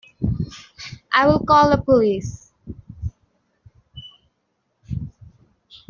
I'll call the police.